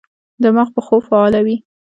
دماغ په خوب فعال وي.